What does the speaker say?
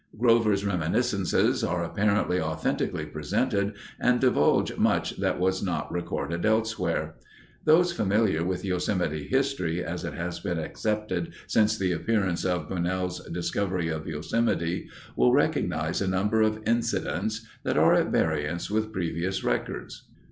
Grover's reminiscences are apparently authentically presented and divulge much that was not recorded elsewhere. Those familiar with Yosemite history as it has been accepted since the appearance of Bunnell's Discovery of Yosemite will recognize a number of incidents that are at variance with previous records.